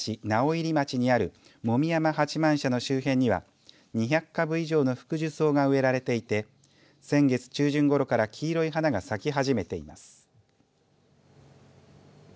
直入町にある籾山八幡社の周辺には２００株以上のフクジュソウが植えられていて先月中旬ごろから黄色い花が咲き始めています。